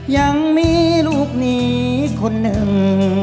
ยังมีลูกหนีคนหนึ่ง